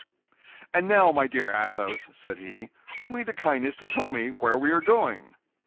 "And now, my dear Athos," said he, "do me the kindness to tell me where we are going?"